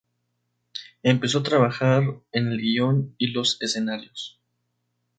Empezó a trabajar en el guion y los escenarios.